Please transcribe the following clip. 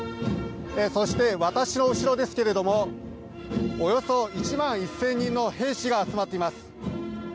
そして私の後ろですけれどもおよそ１万１０００人の兵士が集まっています。